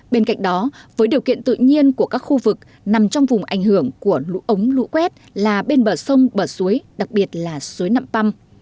bên cạnh đó với điều kiện tự nhiên của các khu vực nằm trong vùng ảnh hưởng của lũ ống lũ quét là bên bờ sông bờ suối đặc biệt là suối nạm păm